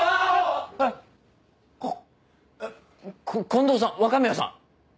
近藤さん若宮さん！